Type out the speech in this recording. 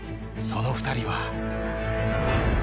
その２人は。